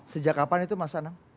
sejak kapan itu mas anam